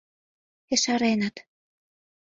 Ешареныт.